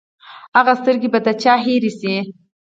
هغه سترګې به د چا هېرې شي!